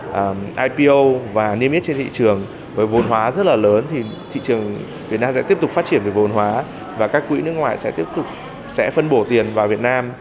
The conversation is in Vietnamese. và ipo và niêm yết trên thị trường với vốn hóa rất là lớn thì thị trường việt nam sẽ tiếp tục phát triển về vốn hóa và các quỹ nước ngoài sẽ tiếp tục sẽ phân bổ tiền vào việt nam